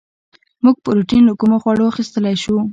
موږ پروټین له کومو خوړو اخیستلی شو